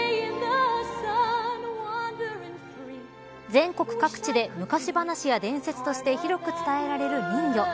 全国各地で昔話や伝説として広く伝えられる人魚。